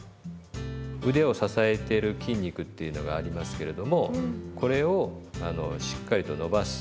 腕を支えてる筋肉っていうのがありますけれどもこれをしっかりと伸ばす。